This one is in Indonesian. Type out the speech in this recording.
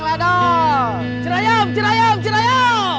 cerayam cerayam cerayam